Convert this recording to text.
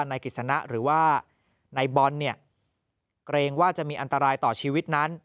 นายกิจสนะหรือว่านายบอลเนี่ยเกรงว่าจะมีอันตรายต่อชีวิตนั้น